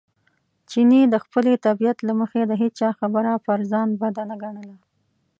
چیني د خپلې طبیعت له مخې د هېچا خبره پر ځان بد نه ګڼله.